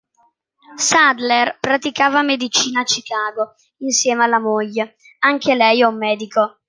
Sadler praticava medicina a Chicago insieme alla moglie, anche lei un medico.